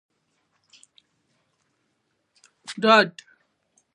ډاډ